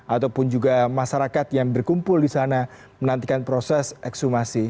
ataupun juga masyarakat yang berkumpul di sana menantikan proses ekshumasi